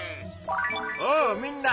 おおみんな！